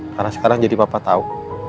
karena sekarang jadi papa tau